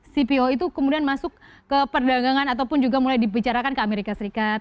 cpo itu kemudian masuk ke perdagangan ataupun juga mulai dibicarakan ke amerika serikat